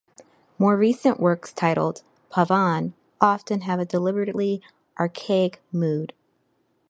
More recent works titled "pavane" often have a deliberately archaic mood.